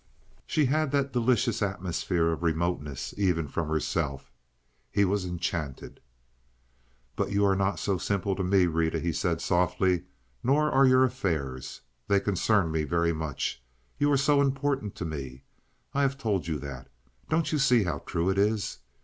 She had that delicious atmosphere of remoteness even from herself. He was enchanted. "But you are not simple to me, Rita," he said, softly, "nor are your affairs. They concern me very much. You are so important to me. I have told you that. Don't you see how true it is?